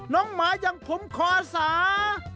หมาอย่างผมคอสา